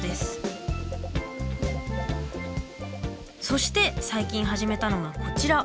そして最近始めたのがこちら。